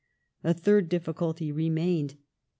A third difficulty remained.